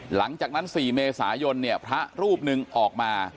หลังจากนั้น๔เมษายนเนี่ยพระรูปหนึ่งออกมา